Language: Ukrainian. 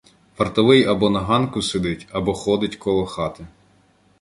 Вартовий або на ганку сидить, або ходить коло хати.